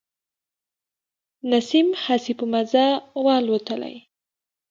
نسیم هسي په مزه و الوتلی.